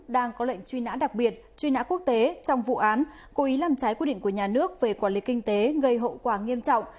đang có lệnh truy nã đặc biệt truy nã quốc tế trong vụ án cố ý làm trái quy định của nhà nước về quản lý kinh tế gây hậu quả nghiêm trọng